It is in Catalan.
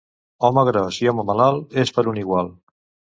Home gros i home malalt és per un igual.